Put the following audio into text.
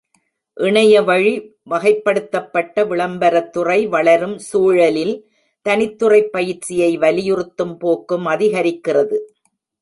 இணைய வழி வகைப்படுத்தப்பட்ட விளம்பரத்துறை வளரும் சூழலில், தனித்துறைப் பயிற்சியை வலியுறுத்தும் போக்கும் அதிகரிக்கிறது.